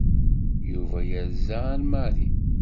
Yuba yerza ar Mary.